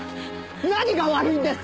何が悪いんですか？